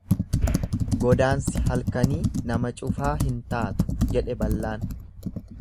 """Godaansi halkanii nama cufaa hin taatu"" jedhe, ballaan."